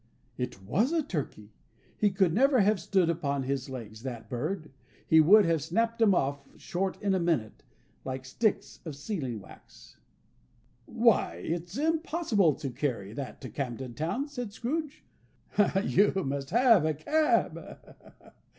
It was a turkey! He could never have stood upon his legs, that bird. He would have snapped 'em off short in a minute, like sticks of sealing wax. "Why, it's impossible to carry that to Camden Town," said Scrooge. "You must have a cab."